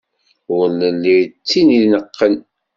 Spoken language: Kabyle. Ur nelli d tid ineqqen.